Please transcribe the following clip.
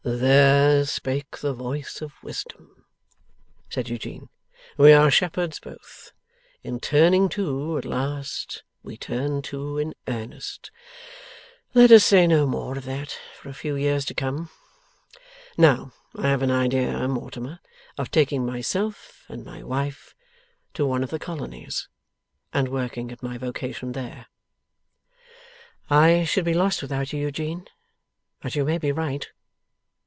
'There spake the voice of wisdom,' said Eugene. 'We are shepherds both. In turning to at last, we turn to in earnest. Let us say no more of that, for a few years to come. Now, I have had an idea, Mortimer, of taking myself and my wife to one of the colonies, and working at my vocation there.' 'I should be lost without you, Eugene; but you may be right.